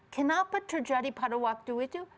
kenapa terjadi pada waktu itu